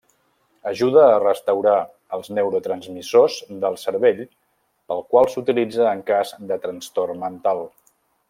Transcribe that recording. Ajuda a restaurar els neurotransmissors del cervell pel qual s'utilitza en cas de trastorn mental.